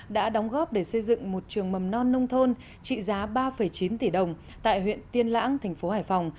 đã đóng góp để xây dựng một trường mầm non nông thôn trị giá ba chín tỷ đồng tại huyện tiên lãng thành phố hải phòng